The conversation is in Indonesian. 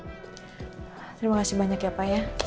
terima kasih banyak ya pak ya